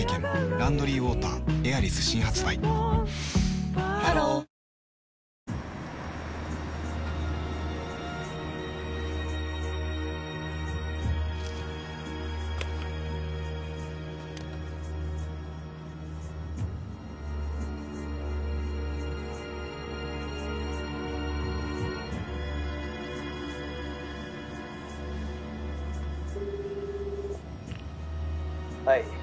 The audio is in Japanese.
「ランドリーウォーターエアリス」新発売ハロープルルルはい。